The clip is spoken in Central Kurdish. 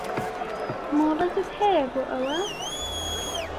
مۆڵەتت هەیە بۆ ئەوە؟